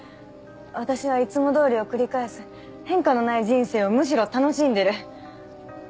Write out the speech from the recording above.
私はいつもどおりを繰り返す変化のない人生をむしろ楽しんでる。